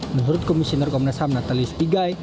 menurut komisioner komnas ham natalius pigai